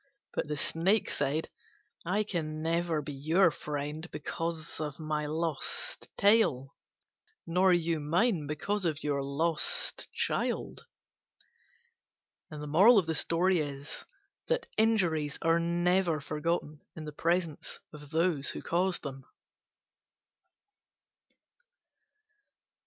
But the Snake said, "I can never be your friend because of my lost tail, nor you mine because of your lost child." Injuries are never forgotten in the presence of those who caused them.